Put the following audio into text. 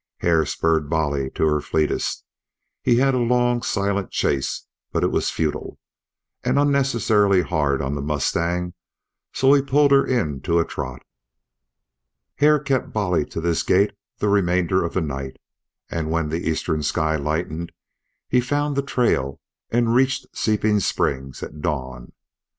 Hare spurred Bolly to her fleetest. He had a long, silent chase, but it was futile, and unnecessarily hard on the mustang; so he pulled her in to a trot. Hare kept Bolly to this gait the remainder of the night, and when the eastern sky lightened he found the trail and reached Seeping Springs at dawn.